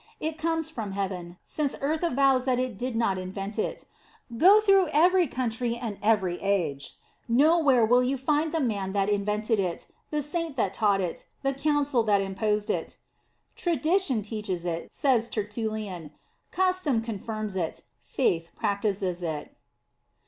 It comes from heaven, since earth avows that it did not invent it. Go through every country and every age, nowhere will you find the man that invented it, the saint that taught it, the council that imposed it. " Tradition teaches it," says Tertullian, " cus tom confirms it, faith practices it."